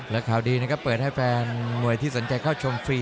และข่าวดีนะครับเปิดให้แฟนมวยที่สนใจเข้าชมฟรี